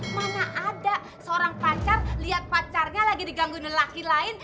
mana ada seorang pacar liat pacarnya lagi digangguin laki lain